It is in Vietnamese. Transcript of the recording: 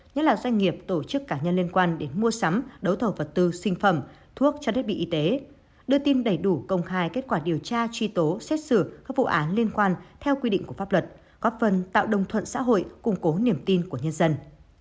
nhất là doanh nghiệp tổ chức cá nhân liên quan đến mua sắm đấu thầu vật tư sinh phẩm thuốc cho thiết bị y tế đưa tin đầy đủ công khai kết quả điều tra truy tố xét xử các vụ án liên quan theo quy định của pháp luật góp phần tạo đồng thuận xã hội củng cố niềm tin của nhân dân